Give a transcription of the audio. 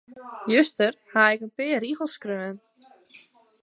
Juster haw ik him in pear rigels skreaun.